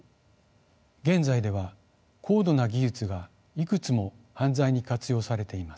現在では高度な技術がいくつも犯罪に活用されています。